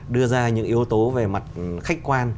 đưa ra những yếu tố về mặt khách quan